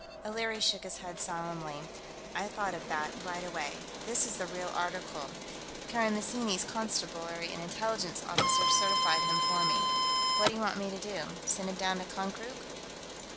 O'Leary shook his head solemnly. "I thought of that, right away. This is the real article; Karamessinis' Constabulary and Intelligence officers certified him for me. What do you want me to do, send him down to Konkrook?"